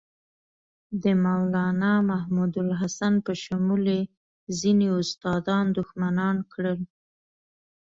د مولنا محمودالحسن په شمول یې ځینې استادان دښمنان کړل.